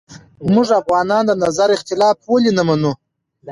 موږ افغانان د نظر اختلاف ولې نه منو